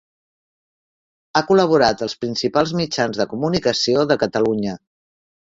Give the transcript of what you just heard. Ha col·laborat als principals mitjans de comunicació de Catalunya.